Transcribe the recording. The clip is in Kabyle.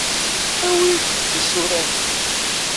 Awi-d tisura-nni.